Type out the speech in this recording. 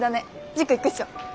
塾行くっしょ。